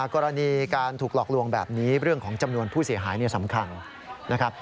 กรณีการถูกหลอกลวงแบบนี้เรื่องของจำนวนผู้เสียหายสำคัญนะครับ